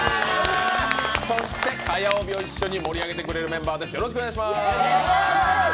そして火曜日を一緒に盛り上げてくれるメンバーです。